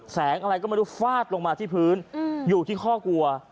แสงอะไรก็ไม่รู้ฟาดลงมาที่พื้นอยู่ที่ข้อกลัว